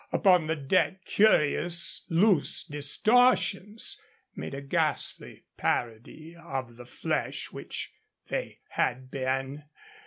Upon the deck curious loose distortions made a ghastly parody of the flesh which they had been.